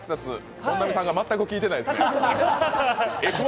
本並さんが全く聞いてないですね。